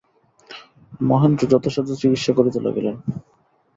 মহেন্দ্র যথাসাধ্য চিকিৎসা করিতে লাগিলেন।